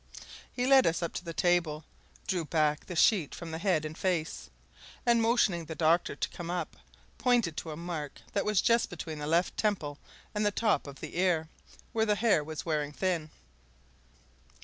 He led us up to the table, drew back the sheet from the head and face, and motioning the doctor to come up, pointed to a mark that was just between the left temple and the top of the ear, where the hair was wearing thin.